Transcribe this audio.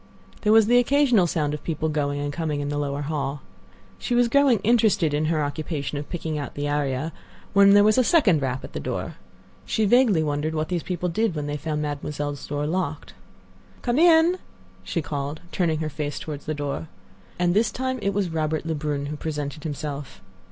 There was the occasional sound of people going and coming in the lower hall. She was growing interested in her occupation of picking out the aria, when there was a second rap at the door. She vaguely wondered what these people did when they found Mademoiselle's door locked. "Come in," she called, turning her face toward the door. And this time it was Robert Lebrun who presented himself.